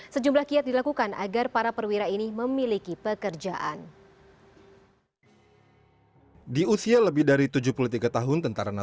sejumlah kiat dilakukan agar para perwira ini memiliki pekerjaan